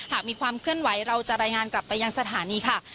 หากมีความเคลื่อนไหวเราจะรายงานกลับไปยังสถานีค่ะ